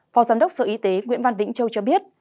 phó giám đốc sở y tế nguyễn văn vĩnh châu cho biết